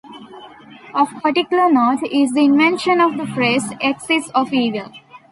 Of particular note is the invention of the phrase axis of evil.